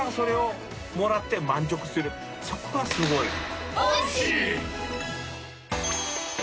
そこがすごいね。